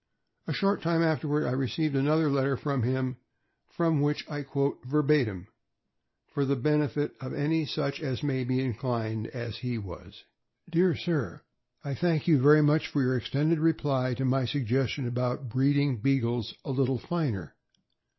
A short time afterward I received another letter from him, from which I quote verbatim, for the benefit of any such as may be inclined as he was: DEAR SIR: I thank you very much for your extended reply to my sug gestion about breeding Beagles a little finer.